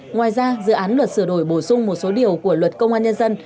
ngoài ra dự án luật sửa đổi bổ sung một số điều của luật công an nhân dân